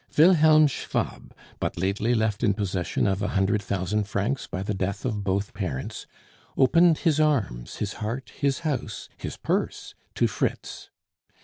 Wilhelm Schwab, but lately left in possession of a hundred thousand francs by the death of both parents, opened his arms, his heart, his house, his purse to Fritz.